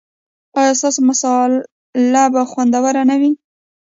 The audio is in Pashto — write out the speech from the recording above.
ایا ستاسو مصاله به خوندوره نه وي؟